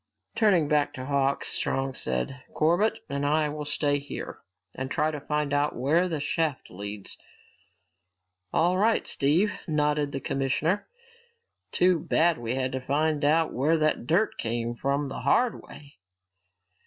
Turning back to Hawks, Strong said, "Corbett and I will stay here and try to find out where that shaft leads." "All right, Steve," nodded the commissioner. "Too bad we had to find out where that dirt came from the hard way."